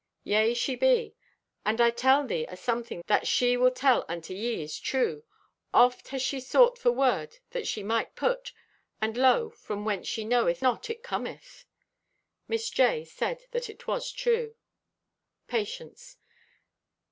Yea, she be. And I tell thee a something that she will tell unto ye is true. Oft hath she sought for word that she might put, and lo, from whence she knoweth not it cometh." Miss J. said this was true. _Patience.